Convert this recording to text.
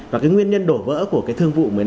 và cái nguyên nhân đổ vỡ của cái thương vụ